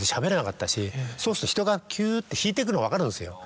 そうすると人がキュって引いてくの分かるんですよ。